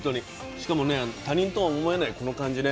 しかもね他人とは思えないこの感じね。